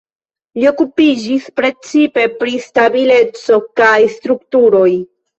Li okupiĝis precipe pri stabileco kaj strukturoj.